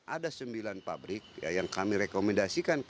ada sembilan pabrik yang kami rekomendasikan